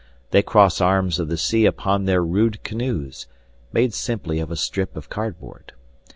They cross arms of the sea upon their rude canoes, made simply of a strip of cardboard.